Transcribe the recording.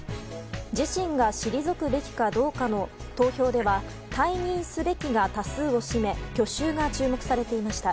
自身が退くべきかどうかの投票では退任すべきが多数を占め去就が注目されていました。